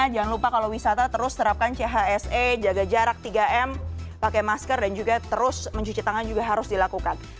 jangan lupa kalau wisata terus terapkan chse jaga jarak tiga m pakai masker dan juga terus mencuci tangan juga harus dilakukan